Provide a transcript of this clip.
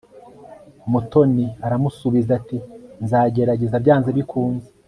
mutoni aramusubiza ati 'nzagerageza byanze bikunze